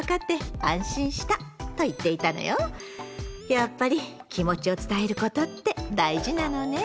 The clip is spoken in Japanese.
やっぱり気持ちを伝えることって大事なのね。